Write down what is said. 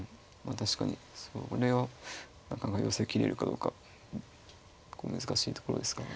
確かにそれはなかなか寄せきれるかどうか難しいところですかね。